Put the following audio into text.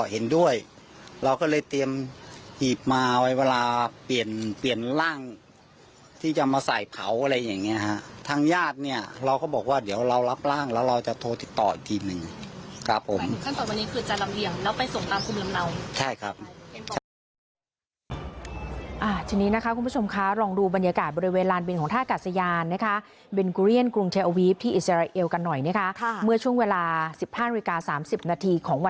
เห็นด้วยเราก็เลยเตรียมหีบมาไว้เวลาเปลี่ยนร่างที่จะมาใส่เผาอะไรอย่างนี้ค่ะทางญาติเนี่ยเราก็บอกว่าเดี๋ยวเรารับร่างแล้วเราจะโทรติดต่ออีกทีหนึ่งครับผมค่ะค่ะ